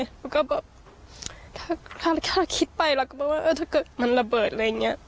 แล้วก็แบบถ้าคิดไปเราก็ไม่ว่าถ้าเกิดมันระเบิดอะไรอย่างนี้